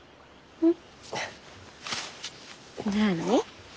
うん。